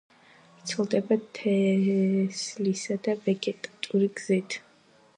ვრცელდება თესლითა და ვეგეტატიური გზით.